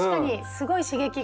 すごい刺激が。